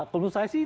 kalau saya sih